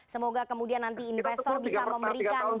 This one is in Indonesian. semoga kemudian nanti investor bisa memberikan